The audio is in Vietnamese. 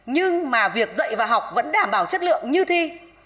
nhưng mà việc dạy và học vẫn đảm bảo chất lượng như thi